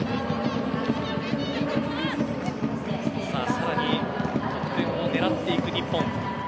さらに得点を狙っていく日本。